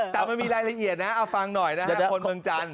แต่มันมีรายละเอียดนะเอาฟังหน่อยนะอย่างคนเมืองจันท